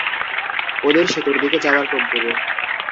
ওদের সেতুর দিকে যাওয়ার টোপ দেবো।